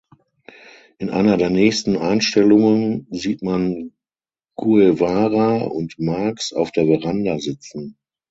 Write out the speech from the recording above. In einer der nächsten Einstellungen sieht man Guevara und Marx auf der Veranda sitzen.